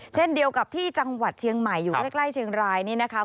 เช่นเดียวกับที่จังหวัดเชียงใหม่อยู่ใกล้เชียงรายนี่นะคะ